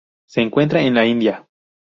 Se encuentra en la India.